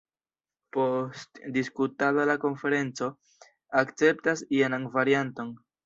Post diskutado la konferenco akceptas jenan varianton.